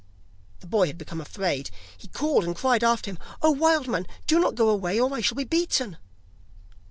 The boy had become afraid; he called and cried after him: 'Oh, wild man, do not go away, or I shall be beaten!